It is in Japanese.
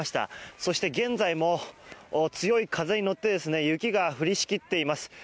そして現在も強い風に乗ってですね雪が降りしきっています。